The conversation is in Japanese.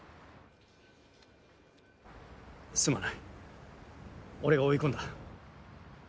すまない俺が追い込んだ。